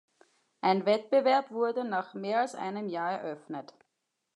Ein Wettbewerb wurde nach mehr als einem Jahr eröffnet.